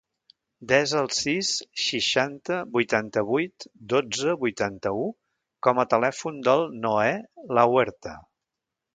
Desa el sis, seixanta, vuitanta-vuit, dotze, vuitanta-u com a telèfon del Noè Lahuerta.